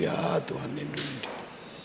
ya tuhan lindungi dia